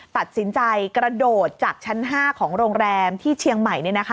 ตัดสินใจกระโดดจากชั้น๕ของโรงแรมที่เชียงใหม่